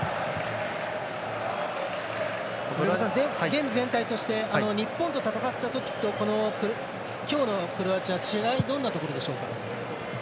ゲーム、全体として日本と戦ったときと今日のクロアチア違い、どんなところでしょうか。